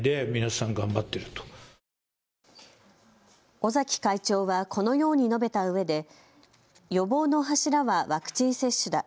尾崎会長はこのように述べたうえで予防の柱はワクチン接種だ。